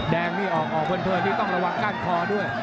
แดงนี่ออกเพลินนี่ต้องระวังก้านคอด้วย